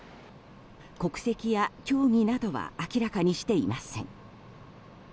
国籍や競技などは明らかにしていません。